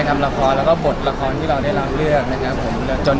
นำละครแล้วก็บทละครที่เราได้รับเลือกนะครับผมจน